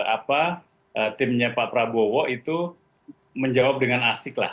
apa timnya pak prabowo itu menjawab dengan asik lah